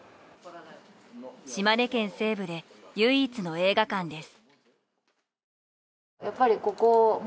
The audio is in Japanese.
島根県西部で唯一の映画館です。